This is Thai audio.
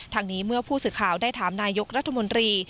ทางนี้เมื่อผู้สื่อข่าวได้ถามนายกรัฐมนตรี